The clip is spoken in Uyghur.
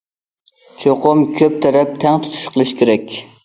چوقۇم كۆپ تەرەپ تەڭ تۇتۇش قىلىش كېرەك.